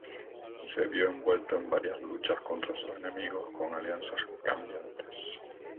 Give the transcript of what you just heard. Se vio envuelto en varias luchas contra sus enemigos, con alianzas cambiantes.